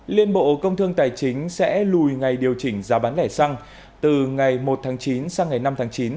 liên bộ công thương tài chính sẽ lùi ngày điều chỉnh giá bán lẻ xăng từ ngày một tháng chín sang ngày năm tháng chín